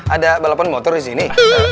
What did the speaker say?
ada balapan motor di sini